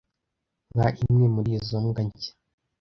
nka imwe muri izo mbwa nshya